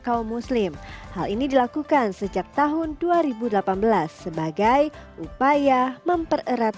kaum muslim hal ini dilakukan sejak tahun dua ribu delapan belas sebagai upaya mempererat